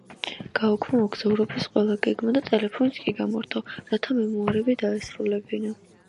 გააუქმა მოგზაურობის ყველა გეგმა და ტელეფონიც კი გამორთო, რათა მემუარები დაესრულებინა.